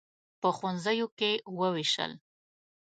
په ښوونځیو کې ووېشل.